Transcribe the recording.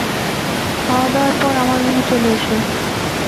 খাওয়া দাওয়ার পর আমার রুমে চলে এসো।